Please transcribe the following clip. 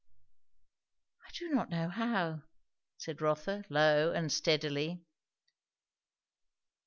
"I do not know how," said Rotha, low and steadily.